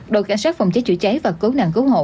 đội cảnh sát phòng cháy chữa cháy và cứu nạn cứu hộ